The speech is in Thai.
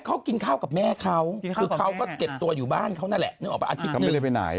เขากินข้ากับแม่เขาก็เก็บตัวอยู่บ้านเขาอาทิตย์หนึ่ง